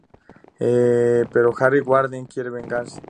Pero Harry Warden quiere vengarse.